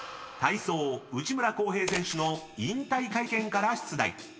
［体操内村航平選手の引退会見から出題］